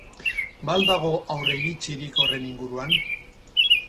Ba al dago aurreiritzirik honen inguruan?